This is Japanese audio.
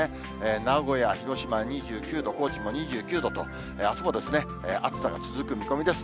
名古屋、広島２９度、高知も２９度と、あすも暑さが続く見込みです。